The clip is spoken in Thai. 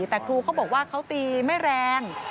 แต่ครูเขาบอกว่าเขาตีไม่แรง